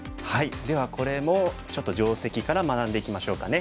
ではこれもちょっと定石から学んでいきましょうかね。